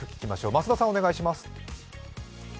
増田さん、お願いします。